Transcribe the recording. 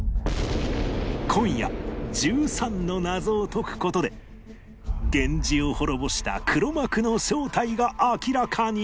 今夜１３の謎を解く事で源氏を滅ぼした黒幕の正体が明らかに！